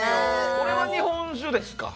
これは日本酒ですか？